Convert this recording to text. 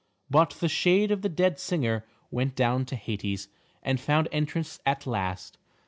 But the shade of the dead singer went down to Hades, and found entrance at last.